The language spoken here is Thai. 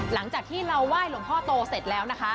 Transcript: หลังจากที่เราไหว้หลวงพ่อโตเสร็จแล้วนะคะ